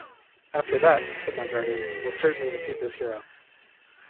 "After that," said my guardian, "we will certainly receive this hero."